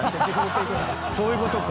そういうことか。